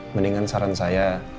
mendingan saran saya